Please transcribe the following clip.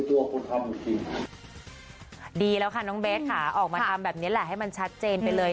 แต่ว่าหลังจากนั้นคือเมื่อคืนมันรุนแรงยิ่งขึ้นกว่าเดิมคือหน้าตาไม่ใช่หนูอยู่แล้ว